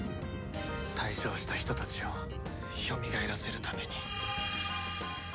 退場した人たちを蘇らせるために。